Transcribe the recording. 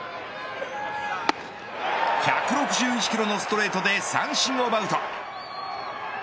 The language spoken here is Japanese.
１６１キロのストレートで三振を奪うと。